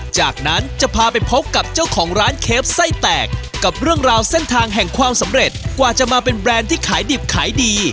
จากนั้นจะพาไปพบกับเจ้าของร้านเคฟไส้แตกกับเรื่องราวเส้นทางแห่งความสำเร็จกว่าจะมาเป็นแบรนด์ที่ขายดิบขายดี